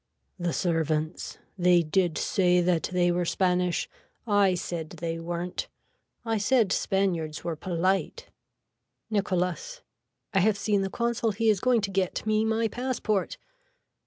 The servants. They did say that they were Spanish. I said they weren't. I said Spaniards were polite. (Nicholas.) I have seen the consul he is going to get me my passport.